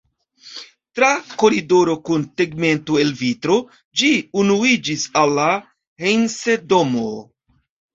Tra koridoro kun tegmento el vitro ĝi unuiĝis al la Heinse-domo.